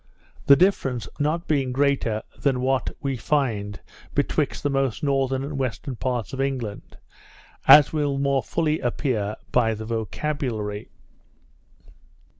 The difference not being greater than what we find betwixt the most northern and western parts of England, as will more fully appear by the vocabulary.